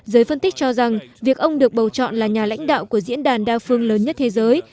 giới phân tích cho rằng việc ông được bầu chọn là nhà lãnh đạo của diễn đàn đa phương lớn nhất thế giới